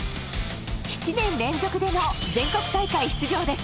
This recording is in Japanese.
７年連続での全国大会出場です。